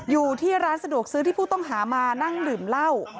อยู่ที่ร้านสะดวกซื้อที่ผู้ต้องหามานั่งดื่มเหล้า